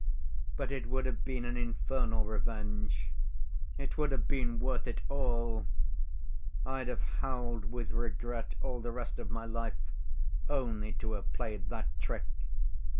But it would have been an infernal revenge. It would have been worth it all. I'd have howled with regret all the rest of my life, only to have played that trick.